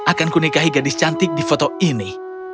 akanku menikahi gadis cantik di foto ini